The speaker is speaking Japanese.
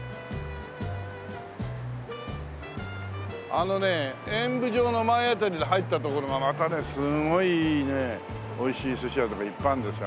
あのね演舞場の前辺りで入った所がまたねすごいいいね美味しい寿司屋とかいっぱいあるんですよ